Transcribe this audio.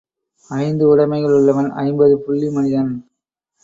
ஐந்து உடைமைகள் உள்ளவன் ஐம்பது புள்ளி மனிதன்.